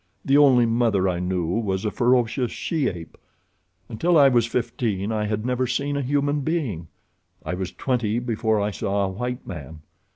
The only mother I knew was a ferocious she ape. Until I was fifteen I had never seen a human being. I was twenty before I saw a white man.